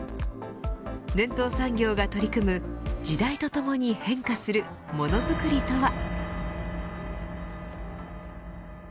伝統産業が取り組む時代とともに変化するものづくりとは。